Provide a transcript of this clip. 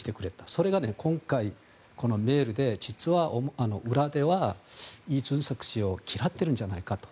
それが今回、このメールで実は裏ではイ・ジュンソク氏を嫌っているんじゃないかと。